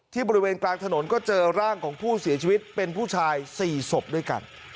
บริเวณกลางถนนก็เจอร่างของผู้เสียชีวิตเป็นผู้ชาย๔ศพด้วยกัน